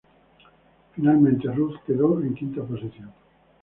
Finalmente, Ruth quedó en quinta posición.